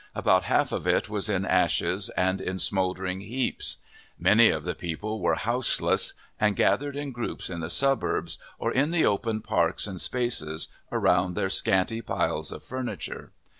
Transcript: About half of it was in ashes and in smouldering heaps. Many of the people were houseless, and gathered in groups in the suburbs, or in the open parks and spaces, around their scanty piles of furniture.